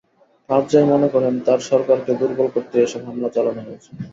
কারজাই মনে করেন, তাঁর সরকারকে দুর্বল করতেই এসব হামলা চালানো হয়েছে।